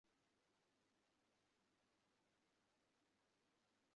এলা হঠাৎ মাটিতে লুটিয়ে অতীনের পা জড়িয়ে ধরলে।